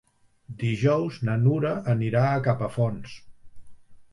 Dijous na Nura anirà a Capafonts.